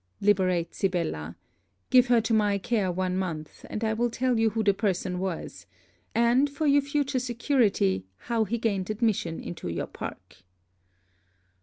Liberate Sibella. Give her to my care one month, and I will tell you who the person was; and, for your future security, how he gained admission into your park.'